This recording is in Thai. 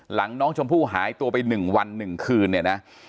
หลังน้องชมพู่หายตัวไป๑วัน๑คืนเนี่ยนะ